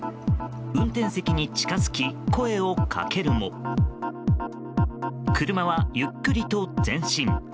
運転席に近づき声をかけるも車はゆっくりと前進。